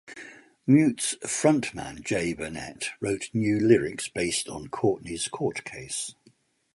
Mute's frontman Jay Burnett wrote new lyrics based on Courtney's court case.